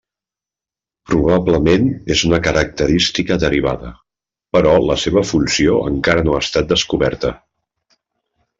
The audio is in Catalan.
Probablement és una característica derivada, però la seva funció encara no ha estat descoberta.